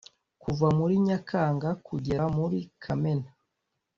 Kuva muri Nyakanga kugera muri Kamena